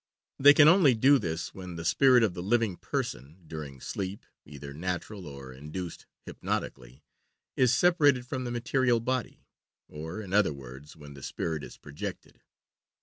They can only do this when the spirit of the living person, during sleep (either natural or induced hypnotically), is separated from the material body; or, in other words, when the spirit is projected.